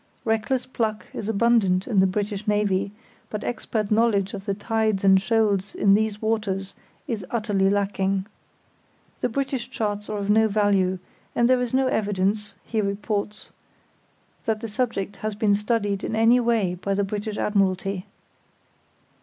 Reckless pluck is abundant in the British Navy, but expert knowledge of the tides and shoals in these waters is utterly lacking. The British charts are of no value, and there is no evidence (he reports) that the subject has been studied in any way by the British Admiralty.